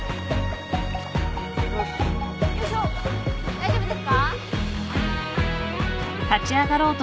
大丈夫ですか？